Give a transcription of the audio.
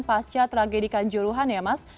pasca tragedikan juruhan ya mas